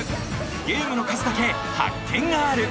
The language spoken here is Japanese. ゲームの数だけ発見がある！